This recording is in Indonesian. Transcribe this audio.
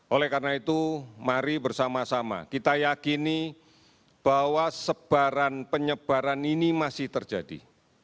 oleh karena itu mari bersama sama kita yakini bahwa sebaran penyebaran ini masih terjadi